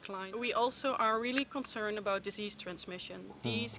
kami juga sangat bimbang dengan transmisi penyakit